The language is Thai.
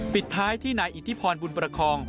ปิดท้ายที่นายอิทธิพรบุญประคอง